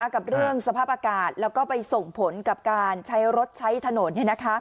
กับเรื่องสภาพอากาศแล้วก็ไปส่งผลกับการใช้รถใช้ถนน